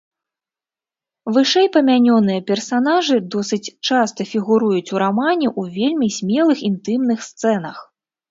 Вышэйпамянёныя персанажы досыць часта фігуруюць ў рамане ў вельмі смелых інтымных сцэнах.